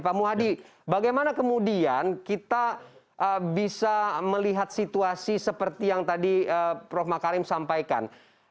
pak muhadi bagaimana kemudian kita bisa melihat situasi seperti yang tadi prof makarim sampaikan